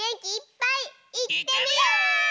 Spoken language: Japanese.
いってみよう！